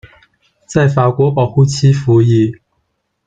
在法国保护期服役。